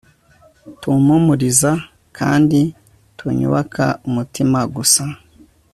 tumpumuriza ndetse tunyubaka umutima gusa